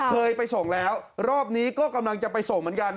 เคยไปส่งแล้วรอบนี้ก็กำลังจะไปส่งเหมือนกัน